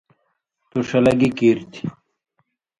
”تُو ݜلہ گی کیریۡ تھی“